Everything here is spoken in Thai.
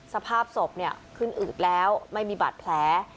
สภาพศพขึ้นอืดแล้วไม่มีบาดแผล